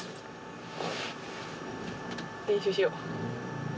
練習しよ。